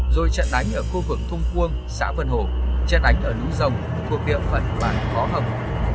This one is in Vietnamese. rồi trận đánh ở khu vực thung quang xã vân hồ trận đánh ở núi rồng thuộc địa phận bản thó hồng